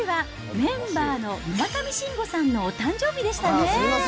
おとといはメンバーの村上信五さんのお誕生日でしたねぇ。